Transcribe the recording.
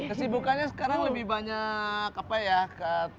kesibukannya sekarang lebih banyak